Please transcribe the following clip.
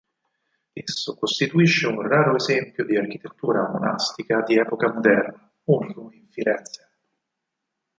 Esso costituisce un raro esempio di architettura monastica di epoca moderna, unico in Firenze.